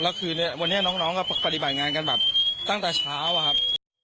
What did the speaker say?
วันนี้น้องก็ปฏิบัติงานกันตั้งแต่เช้าครับ